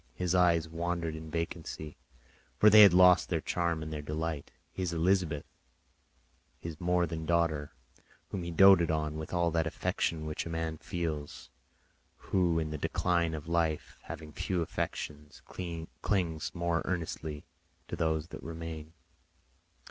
His eyes wandered in vacancy, for they had lost their charm and their delight—his Elizabeth, his more than daughter, whom he doted on with all that affection which a man feels, who in the decline of life, having few affections, clings more earnestly to those that remain.